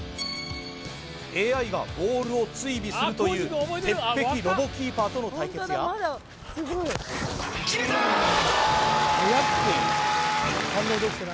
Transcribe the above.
ＡＩがボールを追尾するという鉄壁ロボキーパーとの対決や決めたゴール！